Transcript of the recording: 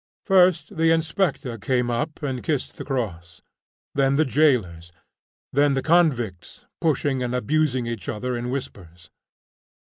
First the inspector came up and kissed the cross, then the jailers, then the convicts, pushing and abusing each other in whispers.